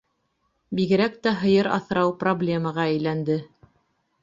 Бигерәк тә һыйыр аҫрау проблемаға әйләнде.